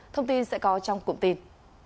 thông tin sẽ có trong cụm tin